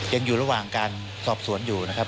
ยังอยู่ระหว่างการสอบสวนอยู่นะครับ